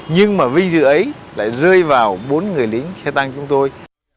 nhưng mà vinh dự ấy lại rơi vào bốn người lính xe tăng chúng tôi